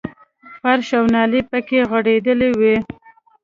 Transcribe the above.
فرش او نالۍ پکې غړېدلې وې.